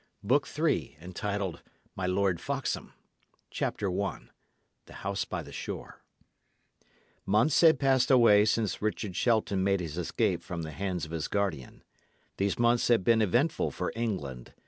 BOOK III MY LORD FOXHAM CHAPTER I THE HOUSE BY THE SHORE Months had passed away since Richard Shelton made his escape from the hands of his guardian. These months had been eventful for England.